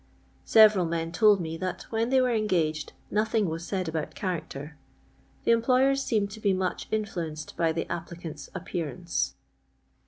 Several men told me that when they were engaged nothing was said about character. The employers seem to be much influenced by the applicant's appearance.